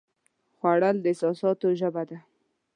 خوړل د احساساتو ژبه ده